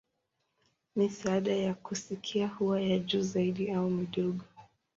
Misaada ya kusikia huwa ya juu zaidi au midogo.